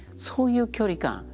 そういう距離感。